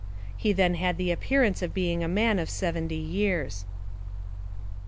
He then had the appearance of being a man of seventy years.